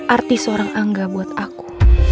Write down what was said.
arti seorang angga buat aku